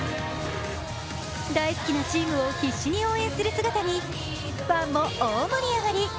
大好きなチームを必死に応援する姿にファンも大盛り上がり。